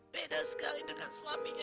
beda sekali dengan suaminya